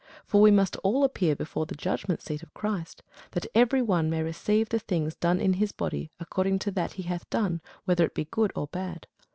For we must all appear before the judgment seat of Christ; that every one may receive the things done in his body, according to that he hath done, whether it be good or bad.